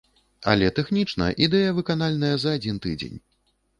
Але тэхнічна ідэя выканальная за адзін тыдзень.